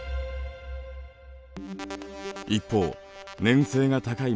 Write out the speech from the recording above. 一方粘性が高い